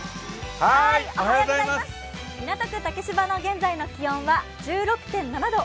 港区竹芝の現在の気温は１６．７度。